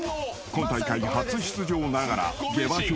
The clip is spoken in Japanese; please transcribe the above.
［今大会初出場ながら下馬